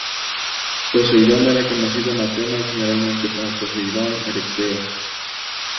Poseidón era conocido en Atenas generalmente como Poseidón Erecteo.